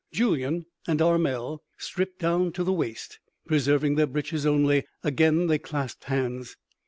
Julyan and Armel stripped down to the waist, preserving their breeches only. Again they clasped hands.